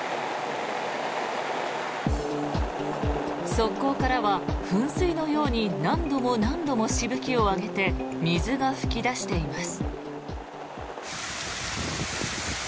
側溝からは噴水のように何度も何度もしぶきを上げて水が噴き出しています。